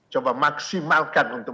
coba maksimalkan untuk